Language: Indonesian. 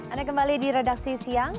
anda kembali di redaksi siang